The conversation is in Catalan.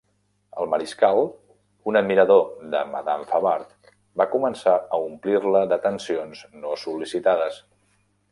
El mariscal, un admirador de Madame Favart, va començar a omplir-la d'atencions no sol·licitades.